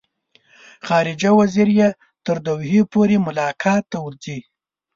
خارجه وزیر یې تر دوحې پورې ملاقات ته ورځي.